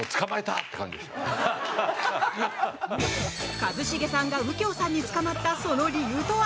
一茂さんが右京さんに捕まったその理由とは？